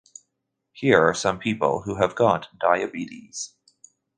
Here are some people who have got diabetes.